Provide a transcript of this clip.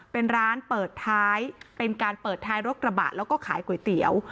เป็นร้านเปิดท้ายเป็นการเปิดท้ายรถกระบะแล้วก็ขายก๋วยเตี๋ยว